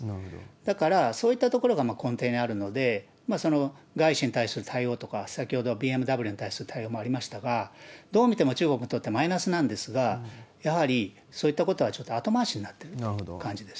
だから、そういったところが根底にあるので、外資に対する対応とか、先ほどのＢＭＷに対する対応もありましたが、どう見ても中国にとってマイナスなんですが、やはりそういったことは、ちょっと後回しになってる感じです。